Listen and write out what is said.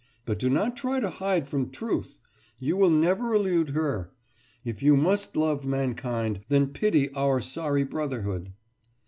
But do not try to hide from Truth; you will never elude her. If you must love mankind, then pity our sorry brotherhood.